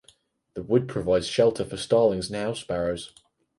The wood provides shelter for starlings and house sparrows.